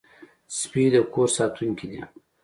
سپي د کور ساتونکي دي.